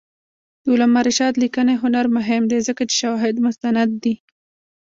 د علامه رشاد لیکنی هنر مهم دی ځکه چې شواهد مستند دي.